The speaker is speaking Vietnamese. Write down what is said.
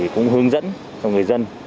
cũng hướng dẫn cho người dân